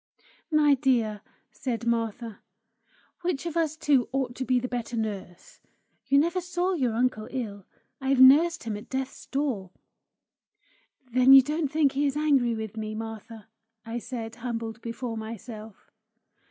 "My dear," said Martha, "which of us two ought to be the better nurse? You never saw your uncle ill; I've nursed him at death's door!" "Then you don't think he is angry with me, Martha?" I said, humbled before myself.